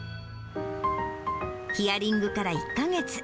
ヒアリングから１か月。